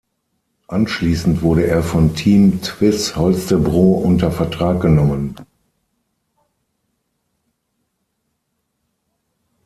Anschließend wurde er von Team Tvis Holstebro unter Vertrag genommen.